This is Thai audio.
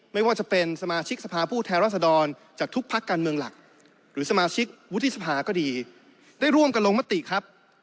ไม่ว่าจะเป็นสมทรภาคผู้แทรศดรจากทุกพลักษณ์การเมืองหลักหรือสมทฤษภาก็ดีได้ร่วมกันลงมถิครับ